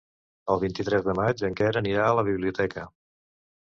El vint-i-tres de maig en Quer anirà a la biblioteca.